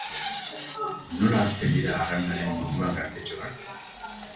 Nola hasten dira arraunaren munduan gaztetxoak?